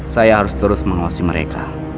saya harus terus mengawasi mereka